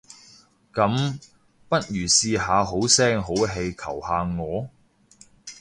噉，不如試下好聲好氣求下我？